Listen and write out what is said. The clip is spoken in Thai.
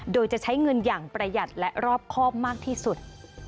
โดยจะใช้เงินอย่างประหยัดและรอบครอบมากที่สุด